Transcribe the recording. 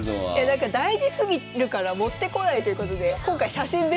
大事すぎるから持ってこないということで今回写真での。